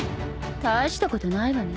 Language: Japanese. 大したことないわね。